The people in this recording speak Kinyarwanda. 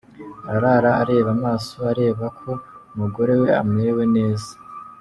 arara areba amaso areba ko umugore we amarewe neza.